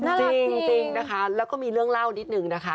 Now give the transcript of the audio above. จริงนะคะแล้วก็มีเรื่องเล่านิดนึงนะคะ